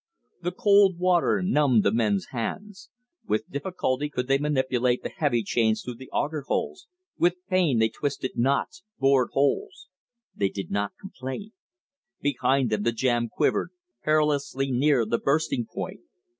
The cold water numbed the men's hands. With difficulty could they manipulate the heavy chains through the auger holes; with pain they twisted knots, bored holes. They did not complain. Behind them the jam quivered, perilously near the bursting point.